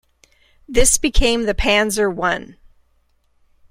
This became the Panzer One.